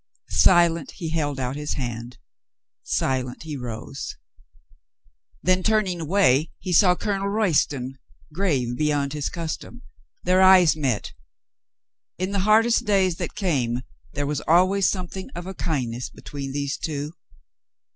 Silent he held out his hand, silent he rose. Then, turning away, he saw Colonel Royston grave beyond his custom. Their eyes met. In the hardest days that came there was always something of a kindness between these two.